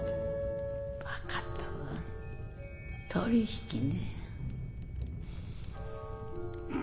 分かったわ取引ね。